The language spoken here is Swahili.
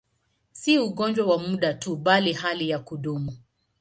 Si ugonjwa wa muda tu, bali hali ya kudumu.